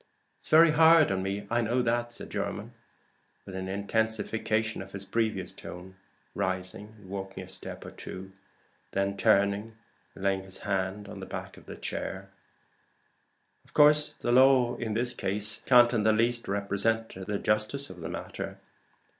"It's very hard on me I know that," said Jermyn, with an intensification of his previous tone, rising and walking a step or two, then turning and laying his hand on the back of the chair. "Of course the law in this case can't in the least represent the justice of the matter.